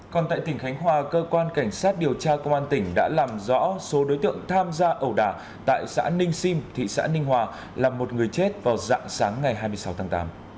còn tại tỉnh khánh hòa cơ quan cảnh sát điều tra công an tỉnh đã làm rõ số đối tượng tham gia ẩu đả tại xã ninh sim thị xã ninh hòa là một người chết vào dạng sáng ngày hai mươi sáu tháng tám